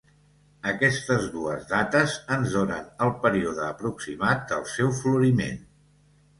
Aquestes dues dates ens donen el període aproximat del seu floriment.